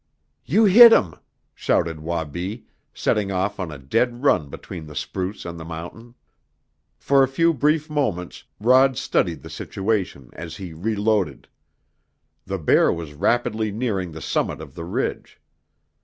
"You hit him!" shouted Wabi, setting off on a dead run between the spruce and the mountain. For a few brief moments Rod studied the situation as he reloaded. The bear was rapidly nearing the summit of the ridge.